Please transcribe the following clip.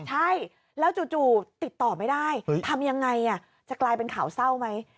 ใช่แล้วจู่ติดต่อไม่ได้ทำยังไงจะกลายเป็นข่าวเศร้าไหม